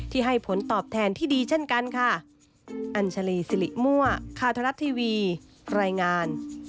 ให้ผลตอบแทนที่ดีเช่นกันค่ะ